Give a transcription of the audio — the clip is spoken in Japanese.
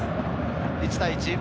１対１。